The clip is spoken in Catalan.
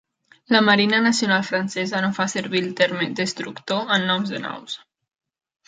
La Marina Nacional Francesa no fa servir el terme "destructor" en noms de naus.